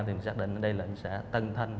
thì mình xác định ở đây là xã tân thanh